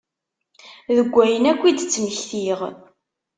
Deg wayen akk i d-ttmektiɣ.